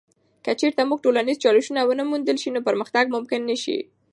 که چیرته موږ ټولنیز چالشونه ونه موندل سي، نو پرمختګ ممکن نه سي.